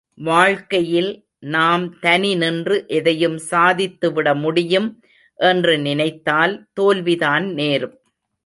வாழ்க்கையில் நாம் தனி நின்று எதையும் சாதித்து விட முடியும் என்று நினைத்தால் தோல்விதான் நேரும்.